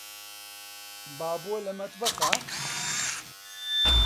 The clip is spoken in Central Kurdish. بابۆ لە مەتبەخە؟